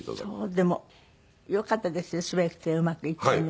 でもよかったですね全てうまくいってね。